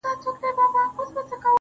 ته چي نه يې، کړي به چي ټکور باڼه~